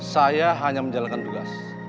saya hanya menjalankan tugas